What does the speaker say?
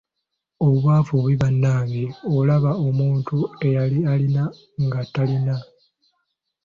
Obwavu bubi bannange olaba omuntu eyali alina nga tayina.